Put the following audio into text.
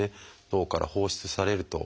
脳から放出されると。